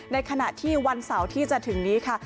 ในขณะที่วันเสาร์ที่จะถึงนี้ค่ะ